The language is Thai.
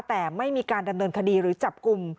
แต่ไม่มีการดำเนินคดีหรือจับกลุ่ม